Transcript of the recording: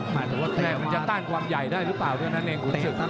ไม่ถึงว่าจะต้านกว่าใหญ่ได้หรือเปล่าเท่านั้นเองขุนสึก